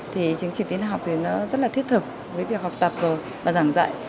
thì chứng chỉ tiếng học thì nó rất là thiết thực với việc học tập rồi và giảng dạy